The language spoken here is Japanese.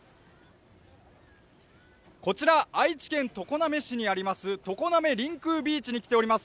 こちら、愛知県常滑市にあります、常滑りんくうビーチに来ております。